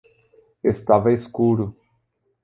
Estava escuro